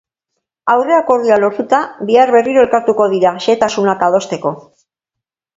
Aurre-akordioa lortuta, bihar berriro elkartuko dira, xehetasunak adosteko.